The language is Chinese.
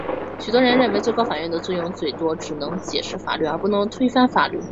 许多人认为最高法院的作用最多只能解释法律而不能推翻法律。